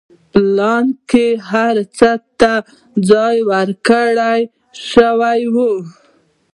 پلان کې هر څه ته ځای ورکړل شوی و.